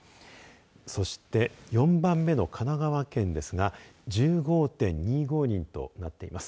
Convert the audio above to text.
そして４番目の神奈川県ですが１５．２５人となっています。